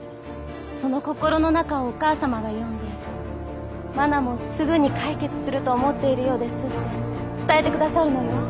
その心の中をお母様が読んで「愛菜もすぐに解決すると思っているようです」って伝えてくださるのよ。